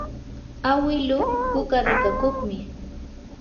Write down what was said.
awiluu kuka rikakuqmi.